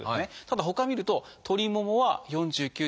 ただほかを見ると鳥ももは４９．１ｍｇ。